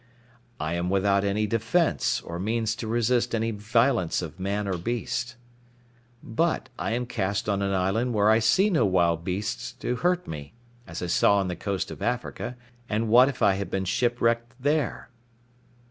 I am without any defence, or means to resist any violence of man or beast. But I am cast on an island where I see no wild beasts to hurt me, as I saw on the coast of Africa; and what if I had been shipwrecked there?